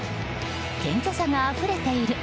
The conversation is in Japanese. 謙虚さがあふれている！